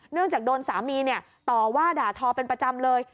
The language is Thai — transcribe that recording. จากโดนสามีต่อว่าด่าทอเป็นประจำเลย